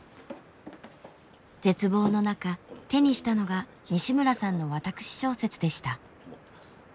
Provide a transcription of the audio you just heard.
絶望の中手にしたのが西村さんの私小説でした。